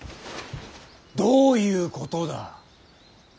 どういうことだ。